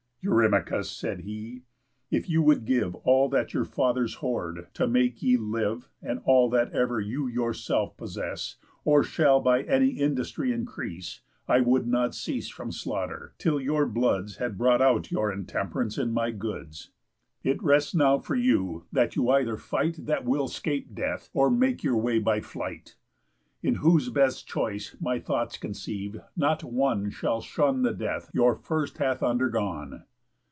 "Eurymachus," said he, "if you would give All that your fathers' hoard, to make ye live, And all that ever you yourselves possess, Or shall by any industry increase, I would not cease from slaughter, till your bloods Had bought out your intemp'rance in my goods. It rests now for you that you either fight That will 'scape death, or make your way by flight. In whose best choice, my thoughts conceive, not one Shall shun the death your first hath undergone."